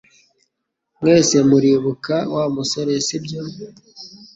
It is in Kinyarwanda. Mwese muribuka Wa musore sibyo